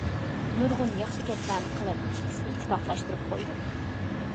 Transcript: نۇرغۇن ياخشى گەپلەرنى قىلىپ ئىككىسىنى ئىتتىپاقلاشتۇرۇپ قويدۇق.